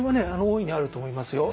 大いにあると思いますよ。